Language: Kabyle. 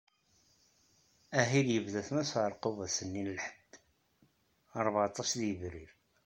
Ahil yebda-t Mass Ɛerqub ass-nni n lḥedd, rbeεṭac deg yebrir.